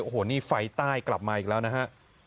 โอ้โหนี่ไฟใต้กลับมาอีกแล้วนะฮะ